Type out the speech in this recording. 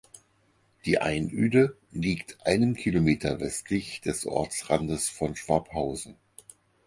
Die Einöde liegt einen Kilometer westlich des Ortsrandes von Schwabhausen.